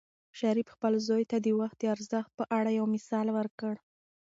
شریف خپل زوی ته د وخت د ارزښت په اړه یو مثال ورکړ.